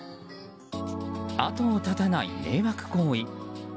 後を絶たない迷惑行為。